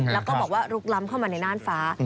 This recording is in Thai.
แล้วก็บอกว่าลุกล้ำเข้ามาในน่านฟ้า